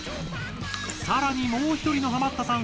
更にもう一人のハマったさん